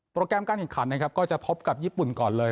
แกรมการแข่งขันนะครับก็จะพบกับญี่ปุ่นก่อนเลย